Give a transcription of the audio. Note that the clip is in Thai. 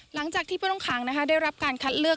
หลังจากที่ผู้ต้องขังได้รับการคัดเลือก